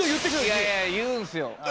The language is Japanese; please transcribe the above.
いやいや言うんすよ。